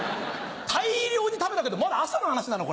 大量に食べたけどまだ朝の話なの？